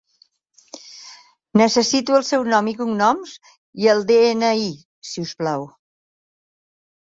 Necessito el seu nom i cognoms i el de-ena-i, si us plau.